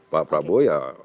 pak prabowo ya